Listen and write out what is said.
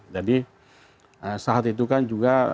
jadi saat itu kan juga